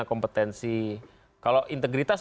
kompetensi kalau integritas